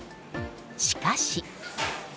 しかし。